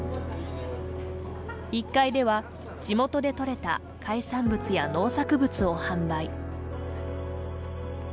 １階では、地元で取れた海産物や農作物を販売。